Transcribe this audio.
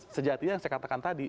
sejatinya yang saya katakan tadi